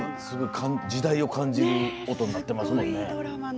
時代を感じる音になってますよね。